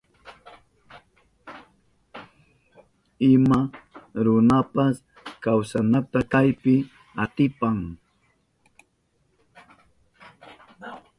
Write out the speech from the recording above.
Ima runapas kawsanata kaypi atipan.